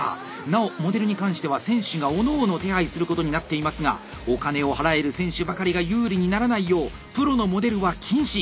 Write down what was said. なおモデルに関しては選手がおのおの手配することになっていますがお金を払える選手ばかりが有利にならないようプロのモデルは禁止。